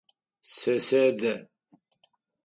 Сэ сэдэ.